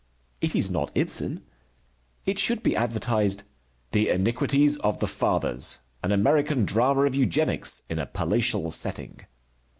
It is not Ibsen. It should be advertised "The Iniquities of the Fathers, an American drama of Eugenics, in a Palatial Setting."